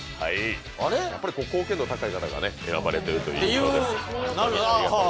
貢献度高い方が選ばれてるというね。